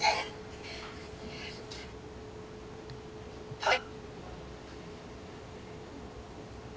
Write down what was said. はい。